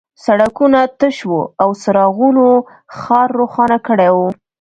سړکونه تش وو او څراغونو ښار روښانه کړی و